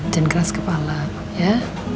jangan keras kepala ya